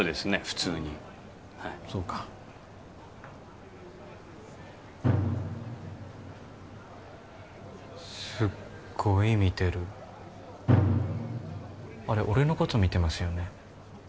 普通にはいそうかすっごい見てるあれ俺のこと見てますよね